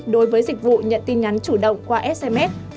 đối với dịch vụ nhận tin nhắn chủ động qua sms